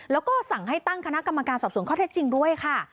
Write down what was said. แล้วก็สั่งให้ตั้งคณะกรรมการสอบส่วนข้อเท็จจริงด้วยค่ะ